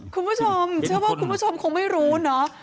คุณผู้ชมเชื่อว่าคุณผู้ชมคงไม่รู้เนอะ